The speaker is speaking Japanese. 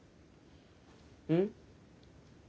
うん？